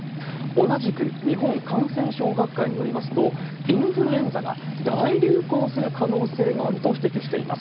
同じく日本感染症学会によりますと、インフルエンザが大流行する可能性があると指摘しています。